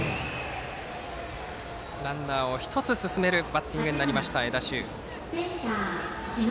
ランナーを１つ進めるバッティングになった江田修。